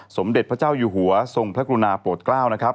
สมเด็จพระเจ้าอยู่หัวทรงพระกรุณาโปรดเกล้านะครับ